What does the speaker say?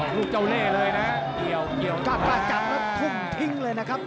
อ๋อรูปเจ้าเล่เลยนะเกี่ยวจัดจัดแล้วทุ่มทิ้งเลยนะครับ